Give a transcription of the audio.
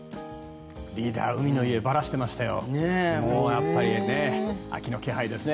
リーダー海の家ばらしていましたよ。